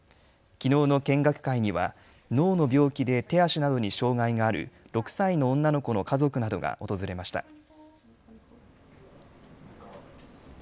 きのうの見学会には脳の病気で手足などに障害がある６歳の女の子の家族などが訪れました。